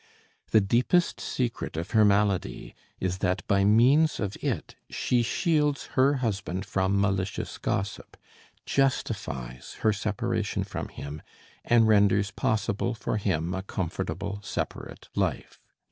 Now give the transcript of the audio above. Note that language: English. The deepest secret of her malady is that by means of it she shields her husband from malicious gossip, justifies her separation from him, and renders possible for him a comfortable separate life.